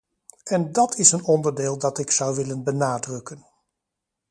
En dat is een onderdeel dat ik zou willen benadrukken.